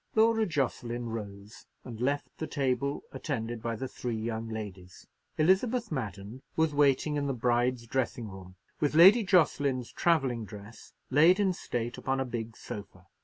Laura Jocelyn rose and left the table, attended by the three young ladies. Elizabeth Madden was waiting in the bride's dressing room with Lady Jocelyn's travelling dress laid in state upon a big sofa.